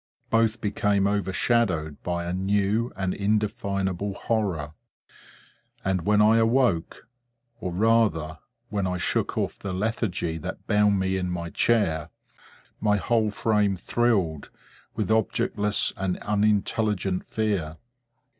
Both became overshadowed by a new and indefinable horror; and when I awoke—or rather when I shook off the lethargy that bound me in my chair—my whole frame thrilled with objectless and unintelligent fear.